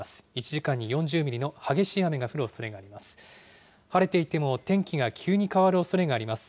１時間に４０ミリの激しい雨が降るおそれがあります。